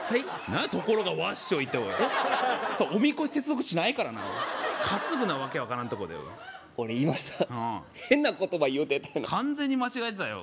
何やところがワッショイておいおみこし接続詞ないからな担ぐな訳分からんとこで俺今さ変な言葉言うて完全に間違えてたよ